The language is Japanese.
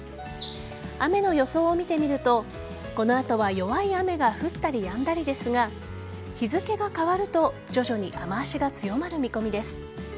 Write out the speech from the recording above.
雨の予想を見てみるとこの後は弱い雨が降ったりやんだりですが日付が変わると徐々に雨脚が強まる見込みです。